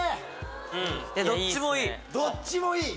どっちもいい！